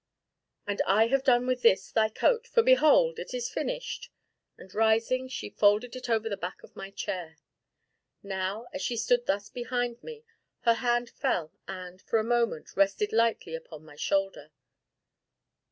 "And I have done with this, thy coat, for behold! it is finished," and rising, she folded it over the back of my chair. Now, as she stood thus behind me, her hand fell and, for a moment, rested lightly upon my shoulder.